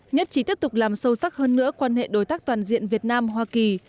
nhất trí tiếp tục làm sâu sắc hơn nữa quan hệ đối tác toàn diện việt nam hoa kỳ